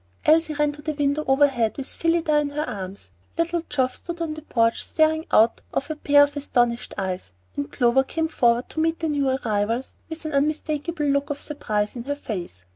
Elsie ran to the window overhead with Phillida in her arms; little Geoff stood on the porch staring out of a pair of astonished eyes, and Clover came forward to meet the new arrivals with an unmistakable look of surprise in her face.